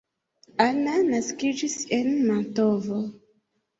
Anna naskiĝis en Mantovo.